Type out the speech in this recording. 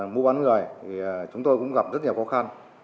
mua bán người thì chúng tôi cũng gặp rất nhiều khó khăn